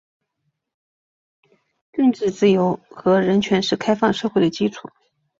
政治自由和人权是开放社会的基础。